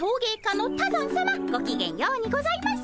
ごきげんようにございます。